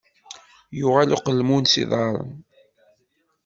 Yuɣal uqelmun s iḍaren.